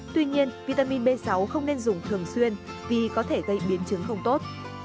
tuy nhiên vitamin b sáu không nên dùng thường xuyên vì có thể gây biến chứng không tốt